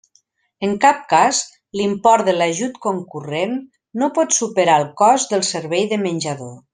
En cap cas l'import de l'ajut concurrent no pot superar el cost del servei de menjador.